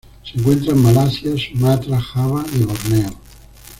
Se encuentra en Malasia, Sumatra, Java y Borneo.